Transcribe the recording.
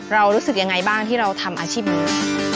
รู้สึกยังไงบ้างที่เราทำอาชีพนี้